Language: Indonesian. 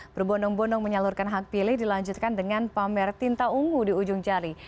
berbondong bondong menyalurkan hak pilih dilanjutkan dengan pamer tinta ungu di ujung jari